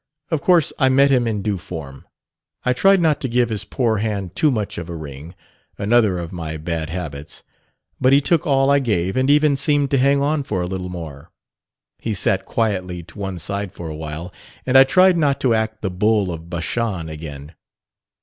Of course I met him in due form. I tried not to give his poor hand too much of a wring (another of my bad habits); but he took all I gave and even seemed to hang on for a little more. He sat quietly to one side for a while, and I tried not to act the bull of Bashan again.